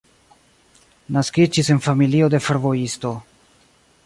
Naskiĝis en familio de fervojisto.